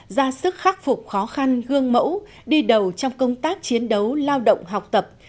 ra sức khắc phục khó khăn gương mẫu đi đầu trong công tác chiến đấu lao động học tập